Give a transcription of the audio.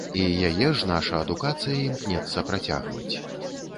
І яе ж наша адукацыя імкнецца працягваць.